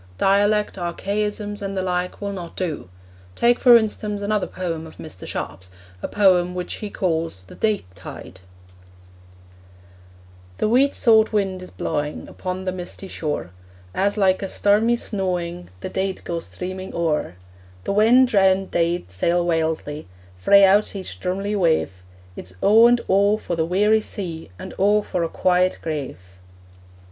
Dialect, archaisms and the like, will not do. Take, for instance, another poem of Mr. Sharp's, a poem which he calls The Deith Tide: The weet saut wind is blawing Upon the misty shore: As, like a stormy snawing, The deid go streaming o'er: The wan drown'd deid sail wildly Frae out each drumly wave: It's O and O for the weary sea, And O for a quiet grave.